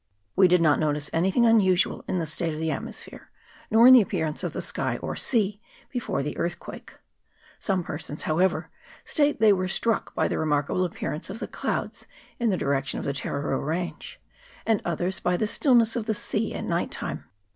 " We did not notice anything unusual in the state of the atmo sphere, nor in the Appearance of the sky or sea, before the earth quake ; some persons, however, state they were struck by the re markable appearance of the clouds in the direction of the Tararua range, and others by the stillness of the sea at night time.